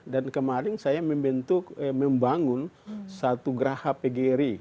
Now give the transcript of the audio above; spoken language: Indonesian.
dan kemarin saya membentuk membangun satu geraha pgri